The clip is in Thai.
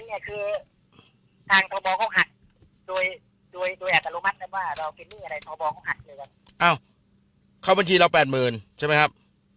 อัสเราบอกได้แม่นเอาบัญชีลือ๘๐๐๐๐ใช่ไหมครับ